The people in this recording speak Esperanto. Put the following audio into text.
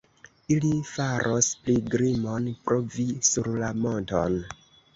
Ili faros pilgrimon pro vi sur la monton.